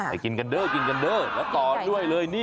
กินกันเด้อกินกันเด้อแล้วต่อด้วยเลยนี่